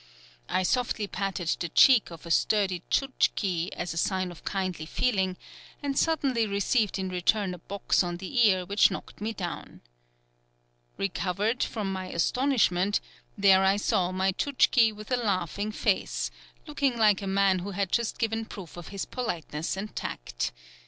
I softly patted the cheek of a sturdy Tchouktchi as a sign of kindly feeling, and suddenly received in return a box on the ear which knocked me down. Recovered from my astonishment, there I saw my Tchouktchi with a laughing face, looking like a man who has just given proof of his politeness and tact.